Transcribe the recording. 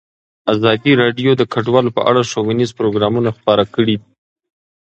ازادي راډیو د کډوال په اړه ښوونیز پروګرامونه خپاره کړي.